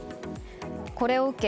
これを受け